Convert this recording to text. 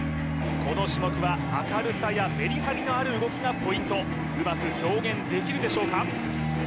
この種目は明るさやメリハリのある動きがポイントうまく表現できるでしょうか？